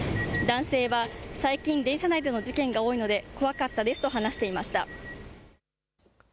男性は最近、電車内での事件が多いので怖かったですと話していました。